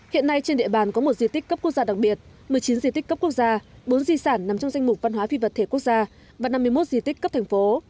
hiện nay trên địa bàn có một di tích cấp quốc gia đặc biệt một mươi chín di tích cấp quốc gia bốn di sản nằm trong danh mục văn hóa phi vật thể quốc gia và năm mươi một di tích cấp thành phố